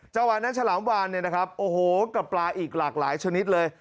จังหวะนั้นฉลามวานเนี่ยนะครับโอ้โหกับปลาอีกหลากหลายชนิดเลย